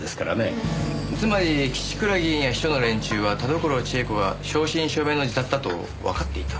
つまり岸倉議員や秘書の連中は田所千枝子が正真正銘の自殺だとわかっていた。